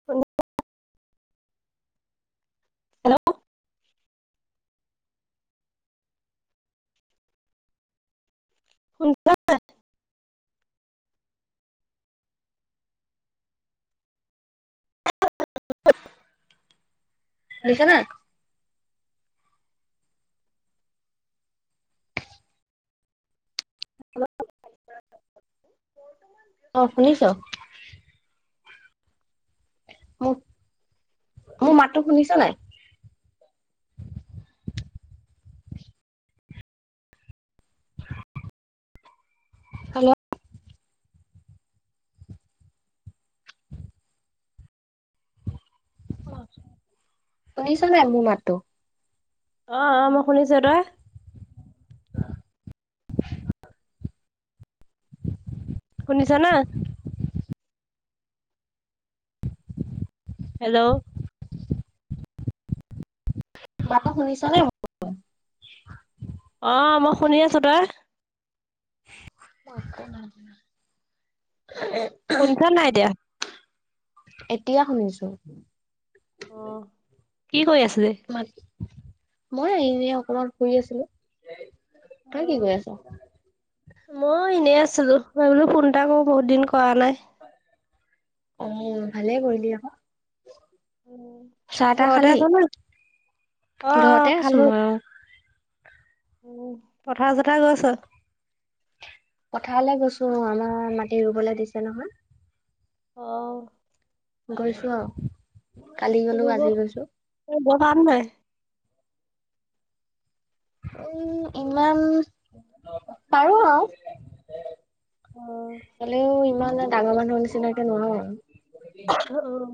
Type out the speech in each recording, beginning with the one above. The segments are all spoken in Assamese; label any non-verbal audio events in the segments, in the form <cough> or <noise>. শুনি আ আ হেল্ল'? সক <inaudible> শুনিছা না? হ <inaudible> অ শুনিছ। মোৰ মোৰ মাততো শুনিছ নাই? হেল্ল'? অ শুনিছ নাই মোৰ মাততো? অ অ মই শুনিছো, তই? <inaudible> শুনিছা না? হেল্ল'? মাতটো শুনিছ নে? অ মই শুনি আছো, তই? <inaudible> সোনকাল নাই দিয়া। এতিয়া শুনিছো। অ, কি কৰি আছিলে? মাত মই এনে অকমান ফুৰি আছিলো, তই কি কৈ আছ? মই এনেই আছিলো, মই বোলো ফোনটাকো বহুত দিন কৰা নাই। অ ভালে কৰিলি আকৌ। চাহ - তাহ ঘৰতে খালি? আছ না অ অ ঘৰতে খালো আছো মই। উম পথাৰ - জথাৰ গৈছ? পথাৰলৈ গৈছো মই, আমাৰ মাটি ৰুবলৈ দিছে নহয়? অঁ। গৈছো আও। ৰুব, এ ব বাম হে। উম ইমান পাৰো আৰু। অ হলেও ইমান ডাঙৰ মানুহ নিচিনাকে নোৱাৰো। ধ অ,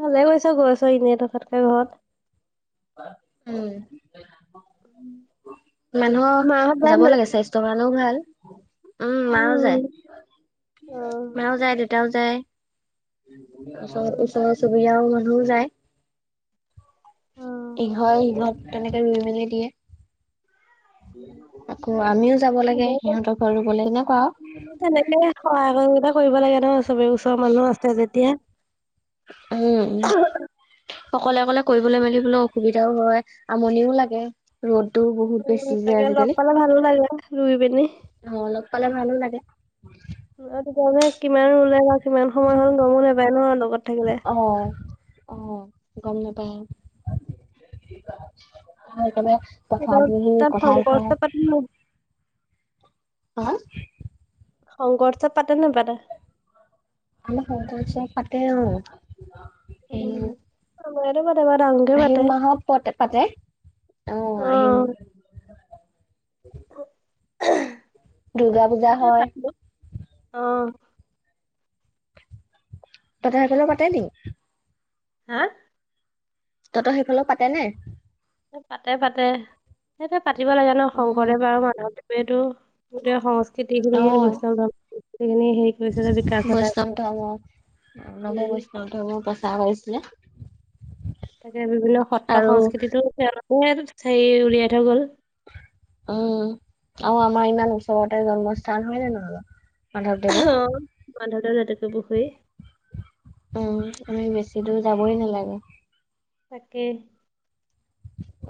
ভালে গৈছা ঘৰ চৰ এনে থকাতকে ঘৰত। উম। মানুহৰ মাহঁত যায় যাব নাই লাগে স্বাস্থ্যৰ কাৰণেও ভাল। উম মাও যায়, অ মাও যায়, দেতাও যায়। ওচ ওচৰ চুবুৰীয়া মানুহও যায়। ইঘৰ সিঘৰ তেনেকে ৰুই মেলি দিয়ে। আকৌ আমিও যাব লাগে অ অ সিহঁতৰ ঘৰ ৰুব লাগে, এনেকুৱা আৰু তেনেকে সহায় সোগিতা কৰিব লাগে ন চবে ওচৰৰ মানুহ আছে যেতিয়া। উম, অকলে অকলে কৰিবলৈ মেলিবলৈ অসুবিধাও হয় আমনিও লাগে। ৰ'দটো বহুত উম বেছি যে তাকে লগ আজিকালি। পালে ভালো লাগে ৰুই পিনি। অ লগ পালে ভালো লাগে। অ তেতিয়া মানে কিমান ওলাই আৰু কিমান সময় হ'ল গমো নাপায় ন লগত থাকিলে? অ অ গম নাপায় অ। সেইকাৰণে তথাপি সি কথা ক <unintelligible> উম হা শংকৰ উৎসৱ পাতে নেপাতে? আম সন্তচা পতে <unintelligible> উ আৰু মাৰে বাৰ আগ মতে <unintelligible> পাতে পাতে। অ আহিম দুৰ্গা পূজা সেইটোয়ে হয় অ তহঁতৰ সেইফালে পাতে নেকি? হা? তহঁতৰ সেইফালে পাতে নে? পাতে পাতে। সেই পাতিব লাগে ন অ', শংকৰদেৱ আৰু মাধৱদেৱেটো গোটেই সংস্কৃতি খিনি অ', বৈষ্ণৱ ধৰ্ম খিনি বিকাশ ঘটাই অ <unintelligible> নৱ বৈষ্ণৱ ধৰ্ম প্ৰচাৰ হৈছিলে। তাকে বিভিন্ন সত্ৰ সংস্কৃতিতটো তেওঁলোকে হৰি উলিয়াই থৈ গ'ল। উম, আৰু আমাৰ ইমান ওচৰতে জন্মস্থান হয় নে নহয় বাওঁ? অ বান্ধতৰ জাতুকে পুখুৰী উম, আমি বেছি দূৰ যাবই নালাগে। তাকে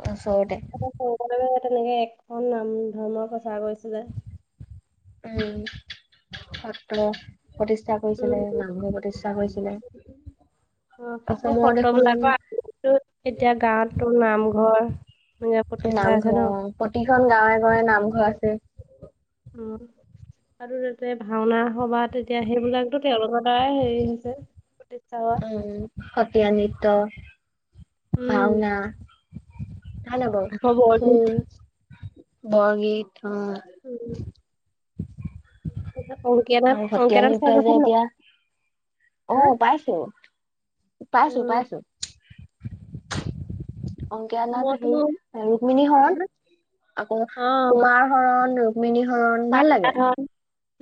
ওচৰতে তাতে শংকৰদেৱে এখন ধৰ্মৰ প্ৰচাৰ কৰিছিলে। উম, সত্ৰ প্ৰতিষ্ঠা উম কৰিছিলে, উম, নামঘৰ প্ৰতিষ্ঠা কৰিছিলে। অ সেই অসমৰ দেখোন সত্ৰবিলাকৰ এতিয়া গাঁৱতো নামঘৰ মে নামঘৰ অ, প্ৰতিখন গাঁৱে গাঁৱে নামঘৰ আছে। উম আৰু তাতে ভাওনা সভাত তেতিয়া সেইবিলাকতো তেওঁলোকৰ দ্বাৰাই হেৰি হৈছে। প্ৰতিষ্ঠা উম, সত্ৰীয়া নৃত্য, উম ভাওনা ভাল আকৌ হবই, বৰগীত খুল, বৰগীত অ উম <unintelligible> আৰু হত্যা অংকীয়া নাট চাই নৃত্ৰ যে পাইছা নে নাই এতিয়া, হা অহ পাইছো। পাইছোঁ উম পাইছোঁ। অংকীয়া নাট হেই মইতো ৰুক্মিনী হৰণ আকৌ কুমাৰ হৰণ মিনি হৰন <unintelligible> হৰণ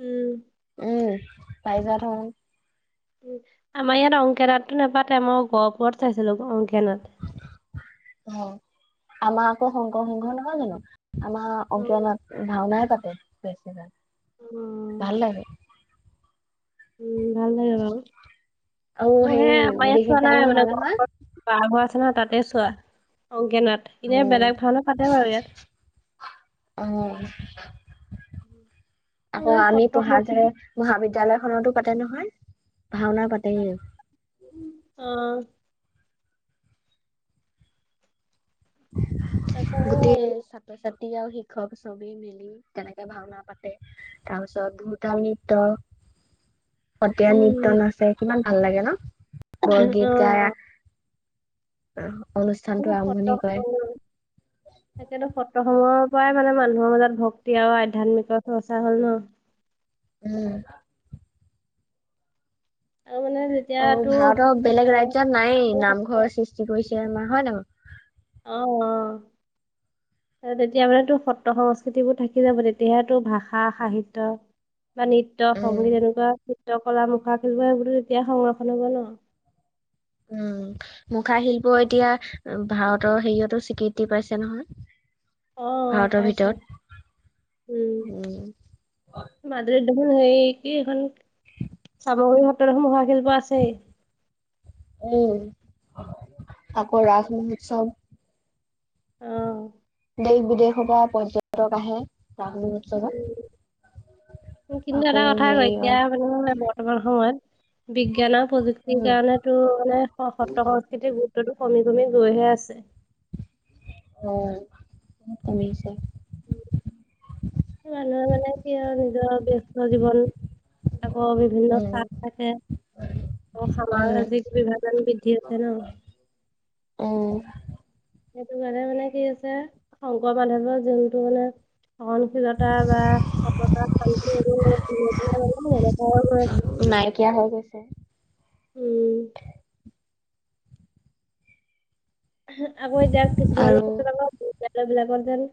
উম উম পাৰি যাত শৰণ। উ আমাৰ ইয়াত অংকে নাতটো নাপাতে মই গহপুৰত চাইছিলো অংকে নাথ। অ আমাৰ আকৌ সংকৰ সংঘ নহয় জানো? আমাৰ অংকীয়া অ', নাথ ভাওনাই পাতে বেছি অ', ভাগ ভাল লাগে। উম ভাল লাগে বাৰু। আৰু মোৰ হেৰি সেই আমাৰ ইয়াত বেছি চোৱা টাইম নাই মানে নহয় ঘৰ নহয় খনত। পাৰঘৰ আছে নহয় তাতে চোৱা অংকে নাথ এনেই উম বেলেগ ভাওনা পাতে বাৰু ইয়াত। অ তাৰ আকৌ মানে আমি সত্ৰ পঢ়া ধৰে সংস্কৃতি মহাবিদ্যালয় খনতো পাতে নহয়, ভাওনা পাতে অ। তাতে গোটেই চা তই ছাত্ৰী আৰু শিক্ষক ছবেই মিলি তেনেকে ভাওনা পাতে। তাৰপিছত দূৰ্তা নৃত <inaudible> সতীয়া নৃত্য উম, নাচে কিমান ভাল লাগে ন বৰগীত গাই অ', অনুষ্ঠান টো আৰম্ভণি কৰে উম তাকেতো সত্ৰ সময়ৰ পৰাই মানে মানুহৰ মাজত ভক্তি আৰু আধ্যয়াত্মিকৰ চৰ্চা হ'ল ন। উম আৰু মানে যেতিয়া অ ভাৰতৰ বেলেগ তোৰ ৰাজ্যত নাই অ নামঘৰ সৃষ্টি কৰিছে আমাৰ হয় না বাৰো অ অ তেতিয়া মানে তো সত্ৰ সংস্কৃতিবোৰ থাকি যাব তেতিয়া তোৰ ভাষা সাহিত্য বা নৃত্য নহয় সংগীত উম এনেকুৱা নৃত্ কলা মুখা খেল সেইবোৰতো এতিয়া সংৰক্ষণ হ'ব ন। উম মুখা শিল্প এতিয়া ভাৰতৰ হেৰিয়াতো স্বীকৃতি পাইছে নহয়। অ ভাৰতৰ পাইছে ভিতৰত উম মাজুলীত দেখোন হেৰি কি এখন চামগুৰী সত্ৰৰ মহা শিল্প আছে। উম আকৌ ৰাজ উম। মহোৎসৱ। অ। সেই বিদেশৰ পৰা পৰ্যটক আহে ব্ৰাহ্মণ উৎসলত কিন্তু এটা কথা আৌ এতিয়া মানে বৰ্তমান সময়ত বিজ্ঞান আৰু উম, প্ৰযুক্তিৰ উম, কাৰণেতো মানে <unintelligible> সেইতো গুৰুতটো কমি কমি গৈহে আছে। অ বহুত কমিছে। উ। মানুহে মানে কি হয় নিজৰ ব্যয়স্ত জীৱন আকৌ বিভিন্ন উম, চাট থাকে উম, সামাজিক বিভাজান বৃদ্ধি আছে ন। উম, সেইটো কাৰণে মানে কি আছে শংকৰ মাধৱৰ যোনটো মানে সন <unintelligible> নাইকিয়া হৈ গৈছে। উম। আকৌ এতিয়া কিছুমান আৰু <unintelligible> বিদ্যালয়বিলাকত যেন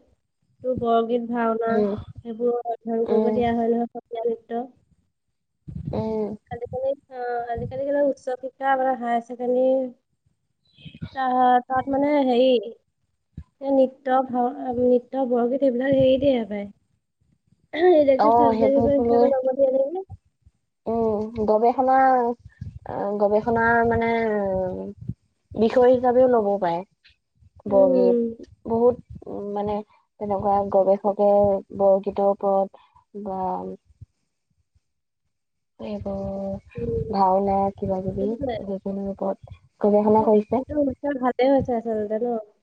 টো বৰগীত, ভাওনা উম, সেইবোৰ অধ্যয়ন কৰিব উম, দিয়া হয় নহয় সতীয়া নৃত্য। উম। আজিকালি অ আজিকালি <unintelligible> উচ্চ শিক্ষা এফালে হায় ছেকেণ্ডাৰী তাহত তাত মানে সেই এ নৃত্য ভাও নৃত্য বৰগীত এইবিলাক হেৰি দিয়ে পাই। অ', সেইবোৰকো লৈ <unintelligible> উম গৱেষণা গৱেষণাৰ মানে বিষয় হিচাপেও ল'ব পায় উম, বৰগীত। বহুত উ মানে তেনেকুৱা গৱেষকে বৰগীতৰ ওপৰত। বা নেবো উম। ভাওনা কিবা কিবি সেইটোৱে সেইখিনিৰ ওপৰত সেইটো গৱেষণা কৰিছে। সেইটো <unintelligible>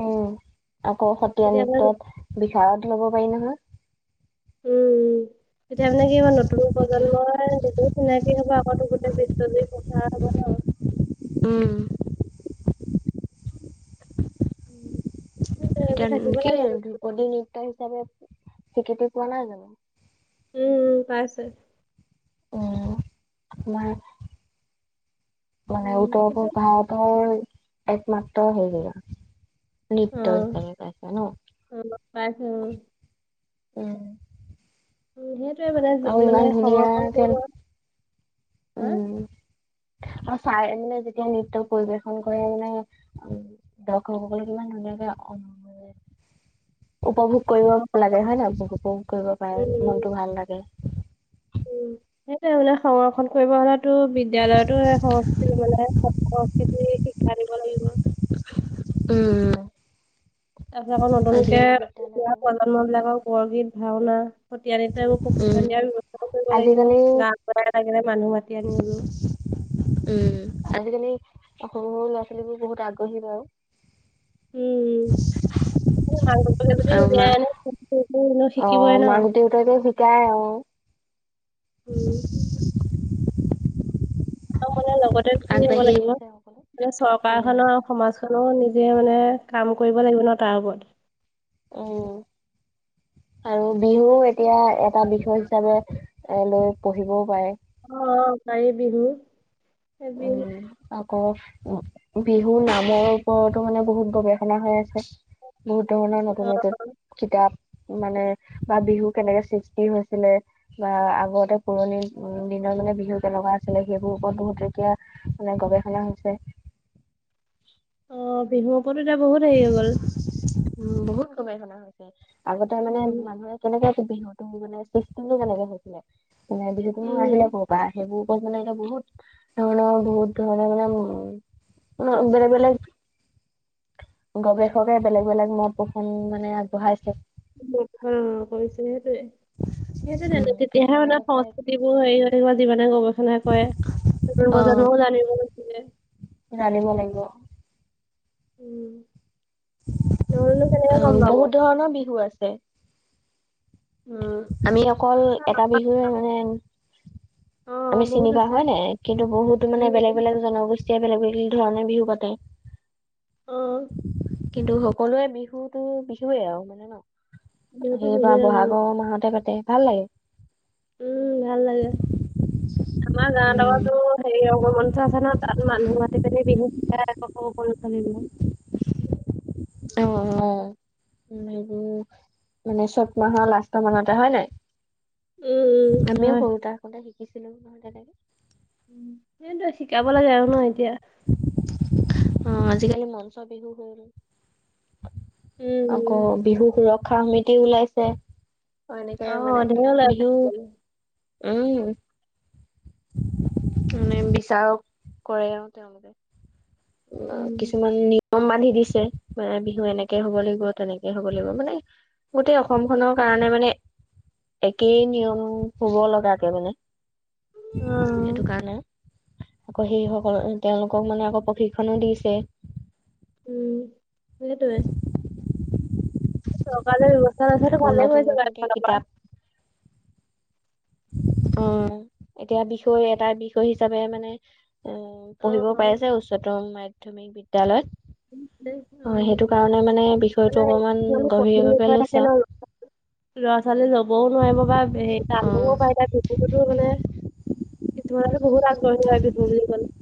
উম আকৌ সত্ৰীয়া তেতিয়া মানে নৃত্যত বিহাৰত ল'ব পাৰি নহয়। উ। এতিয়া মানে কি নতুন প্ৰজন্মই সেইটো চিনাকি হব আগতো গোটেই পিছলি প্ৰচাৰ হ'ব ন। উম। উম। সেইটোৱে সেইবোৰ এতিয়া থাকিব কি লাগে বস্তুটো। ধ্ৰুপদী নৃত্য হিচাপে স্বীকৃতি পোৱা নাই জানো? উম উম পাইছে। উম আমাৰ মানে উম, উত্তৰ সেইটো পূব-ভাৰতৰ একমাত্ৰ হেৰিয় অ', নৃত্য হিচাপে পাইছে ন? <unintelligible> পাইছে উম উম। উ সেইটোৱে মানে যি আৰু ইমান মানে সংৰক্ষণ ধুনীয়াকে কৰিব হা? উম আৰু চাই মানে যেতিয়া নৃত্য পৰিবেশন কৰে মানে উ দৰ্শকসকলে কিমান ধুনীয়াকে <unintelligible> <inaudible> উপভোগ অ', কৰিব লাগে হয় নাই উপভোগ কৰিব পাৰে উম। মনটো ভাল লাগে। উম। সেটো মানে সংৰক্ষণ কৰিব হ'লেতো বিদ্যালয়তো সংস্কৃতি <unintelligible> জানিব লাগিব। <unintelligible> তাৰপিছত আকৌ নতুনকে আজিকালি এতিয়া বিদ্যালয়তো প্ৰজন্মবিলাকৰ বৰগীত, ভাওনা সত্ৰীয়া নৃত্য সেইবোৰ প্ৰশিক্ষণ দিয়াৰ ব্যৱস্থাও কৰিব লাগিব। আজিকালি গাঁও <unintelligible> মানুহ মাতি আনি হলোঁ। উম আজিকালি সৰু সৰু ল'ৰা-ছোৱালীবোৰ বহুত আগ্ৰহী বাওঁ। উম <unintelligible> এনেও অ শিকিবই ন। মাক-দেউতাকে শিকাই আও। উম, আও বলে লগতে থ হব দিব লাগিব চিঠি দিবা আগবাঢ়ি লাগিব আহিছে সকলো। মানে উম চৰকাৰখনক। সমাজখনো নিজে মানে কাম কৰিব লাগিব ন তাৰ ওপৰত। ওম। আৰু বিহুও এতিয়া এটা বিষয় হিচাপে এ লৈ পঢ়িবও পায়। অ গাই বিহু এই বিহু <unintelligible> আকৌ বিহু নামৰ ওপৰতো মানে বহুত গৱেষণা হৈ আছে। বহুত ধৰণৰ অ', নতুন-নতুন কিতাপ- মানে বা বিহু কেনেকে সৃষ্টি হৈছিলে- বা আগতে পুৰণি উম, দিনৰ মানে বিহু কেনেকুৱা আছিলে সেইবোৰ ওপৰত <unintelligible> এতিয়া মানে গৱেষণা হৈছে। অ', বিহুৰ ওপৰতো এতিয়া বহুত হেৰি হৈ গ'ল। উম, বহুত গৱেষণা হৈছে। আগতে মানে উম মানুহে কেনেকে বিহুতো, মানে চিষ্টমটো কেনেকে হৈছিলে, মানে বিহুতোনোঁ আহিলে উম কৰ' পৰা? সেইবোৰ- চ'ব মানে এতিয়া বহুত ধৰণৰ বহুত ধৰণৰ মানে উম, বেলেগ-বেলেগ গৱেষকে বেলেগ-বেলেগ পোষণ মানে আগবঢ়াইছে। অ', কৈছে সেইটোৱে। সেইটোৱেইটো, উম তেতিয়াহে কিছুমানে মানে কৈছে সংস্কৃতিবোৰ হেৰি থাকিব, যিমানে গৱেষণা কৰে। গান বজ'নাও জানিব নোখোজে। জানিব লাগিব। উম', নহ'লেনো কেনেকে গম আৰু পাব। বহুত ধৰণৰ বিহু আছে। উমঁ। আমি অকল এটা বিহুহে মানে- অ আমি চিনি বহুত পাওঁ আছে হয় নাই, কিন্তু বহুতো মানে উম বেলেগ বেলেগ- জনগোষ্ঠীয়ে বেলেগ বেলেগ ধৰণে বিহু পাতে। উম। কিন্তু সকলোৱে বিহুতো বিহুৱে আৰু মানে ন'। বিহুতো বিহুৱে সেইবাৰ অ বহাগৰ মাহতে পাতে, ভাল লাগে। উম, ভাল লাগে। আমাৰ গাৱত আক' তোৰ, হেৰি আগমঞ্চ আছে নহয়- তাত মানুহ মাতি পিনি, বিহু হিকাই <unintelligible> অহ-অহ' এইবোৰ, মানে চত মাহৰ লাষ্ট মানতে হয় নাই? উম উম আমিও হয় সৰু থাকোঁতে শিকিছিলো। <unintelligible> তেনেকে সেইটোৱে শিকাব লাগে আৰু ন' এতিয়া। অ', আজিকালি মঞ্চ বিহু হ'ল। উম আকৌ উম বিহু সুৰক্ষা সমিতি ওলাইছে। অ', অ এনেকাই মানে। ধেৰ ওলাইছে বিহু উম', <unintelligible> <unintelligible> কৰে আৰু তেওঁলোকে। উম কিছুমান নি য়ম বান্ধি দিছে, মানে বিহু এনেকে হ'ব লাগিব, তেনেকে হ'ব লাগিব, মানে গোটেই অসম খনৰ কাৰণে মানে একেই নিয়ম হ'ব লগাকে মানে। উম। সেইটো কাৰণে। আকৌ সেইসকল, তেওঁলোকক মানে আকৌ প্ৰশিক্ষণো দিছে। উম। সেইটোৱে। চৰকাৰ যে ব্যৱস্থা লৈছে সেইটো আকৌ ভালে নতুন কৰিছে নতুনকে এক'ফালৰপৰা। কিতাপ অ', এতিয়া বিষয়, এটা বিষয় হিচাপে মানে অ অ পঢ়িব অ পাৰিছে যে উচ্চতম মাধ্যমিক বিদ্যালয়ত। অ', সেইটো কাৰণে মানে বিষয়টো মানে অকমান, কিছুমানে কঠিন গভীৰভাৱে বিষয় লৈছো থাকে ন আও ল'ৰা ছোৱালী লবও নোৱাৰিব বা, অ হে <unintelligible> কিছুমানতো বহুত আগ্ৰহী হয় বিহু বুলি কলে।